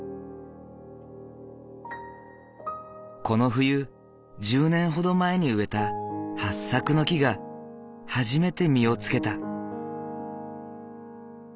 この冬１０年ほど前に植えたはっさくの木が初めて実をつけた。